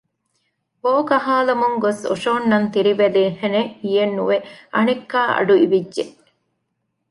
ބޯކަހާލަމުން ގޮސް އޮށޯންނަން ތިރިވެލިހެނެއް ހިޔެއްނުވެ އަނެއްކާ އަޑު އިވިއްޖެ